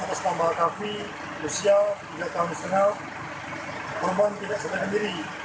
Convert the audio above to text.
korban atas tambah akafi usia tiga tahun setengah korban tidak sedang sendiri